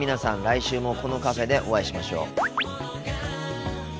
来週もこのカフェでお会いしましょう。